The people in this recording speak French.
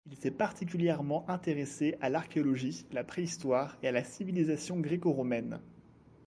Il s'est particulièrement intéressé à l'archéologie, la préhistoire et à la civilisation gréco-romaine.